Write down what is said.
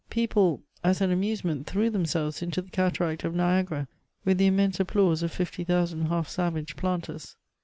People, as an amusement, threw themselves into the cataract of Niagara, with the im mense applause of fifty thousand half savage planters.